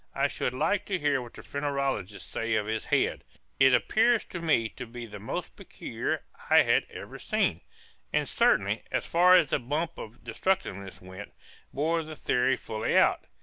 I should like to hear what the phrenologists say of his head; it appeared to me to be the most peculiar I had ever seen, and certainly, as far as the bump of destructiveness went, bore the theory fully out.